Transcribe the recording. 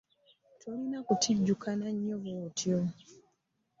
Tolina kutijjukana nnyo bw'otyo.